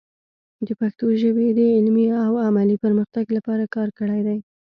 د پښتو ژبې د علمي او عملي پرمختګ لپاره کار کړی دی.